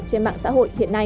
trên mạng xã hội hiện nay